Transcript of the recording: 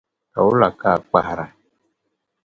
Ka wula ka a kpahira.